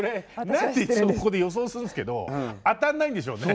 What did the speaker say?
何でいつもここで予想するんですけど当たんないんでしょうね。